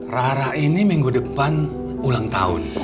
rara ini minggu depan ulang tahun